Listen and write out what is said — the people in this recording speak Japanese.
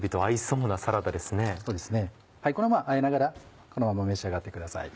そうですねこれはあえながらこのまま召し上がってください。